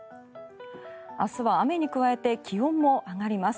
明日は雨に加えて気温も上がります。